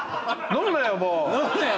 「飲むなよもう」